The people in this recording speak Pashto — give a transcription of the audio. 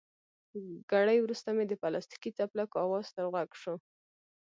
ګړی وروسته مې د پلاستیکي څپلکو اواز تر غوږو شو.